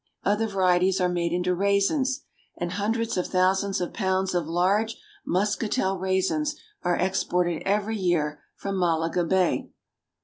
Other varieties are made into raisins, and hun dreds of thousands of pounds of large Muscatel raisins are exported every year from Malaga Bay.